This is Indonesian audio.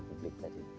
dukungan publik tadi